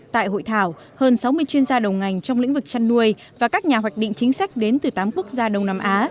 tại hội thảo hơn sáu mươi chuyên gia đầu ngành trong lĩnh vực chăn nuôi và các nhà hoạch định chính sách đến từ tám quốc gia đông nam á